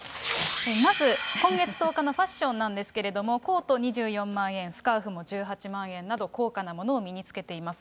まず今月１０日のファッションなんですけれども、コート２４万円、スカーフも１８万円など、高価なものを身に着けています。